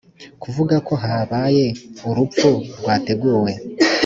kuvuga ko habaye urupfu rwateguwe